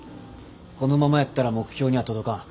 このままやったら目標には届かん。